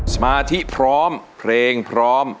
สมาธิพร้อมเพลงพร้อม